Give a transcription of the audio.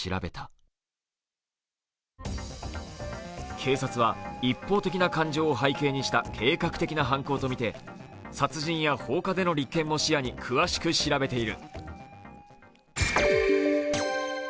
警察は一方的な感情を背景にした計画的な犯行とみて殺人や放火での立件も視野に詳しく調べている。